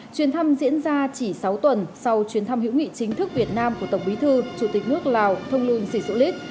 chuyến thăm diễn ra chỉ sáu tuần sau chuyến thăm hữu nghị chính thức việt nam của tổng bí thư chủ tịch nước lào thông luân sĩ xu lít